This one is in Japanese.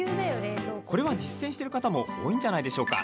これは実践している方も多いんじゃないでしょうか。